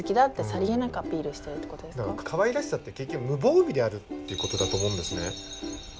かわいらしさって結局無防備であるっていう事だと思うんですね。